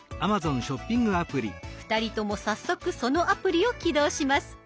２人とも早速そのアプリを起動します。